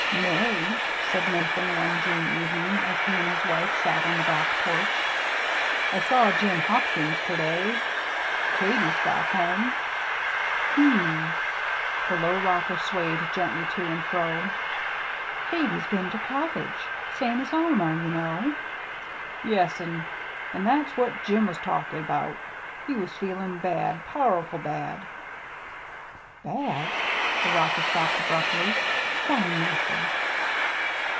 "Mary," said Nathan one June evening, as he and his wife sat on the back porch, "I saw Jim Hopkins ter day. Katy's got home." "Hm m," the low rocker swayed gently to and fro, "Katy's been ter college, same as Alma, ye know." "Yes; an' an' that's what Jim was talkin' 'bout He was feelin' bad powerful bad." "Bad!" the rocker stopped abruptly. "Why, Nathan!"